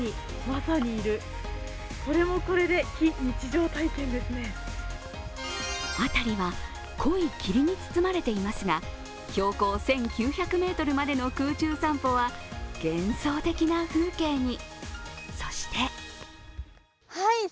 しかし辺りは濃い霧に包まれていますが、標高１９００ｍまでの空中散歩は幻想的な風景に。